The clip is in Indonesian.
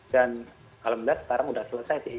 dan kalau benar sekarang sudah selesai sih